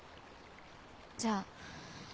じゃあ。